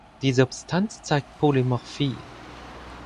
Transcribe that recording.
Die Substanz zeigt Polymorphie.